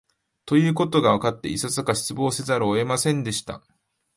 ということがわかって、いささか失望せざるを得ませんでした